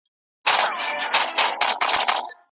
له آدمه تر دې دمه پاچاهان وه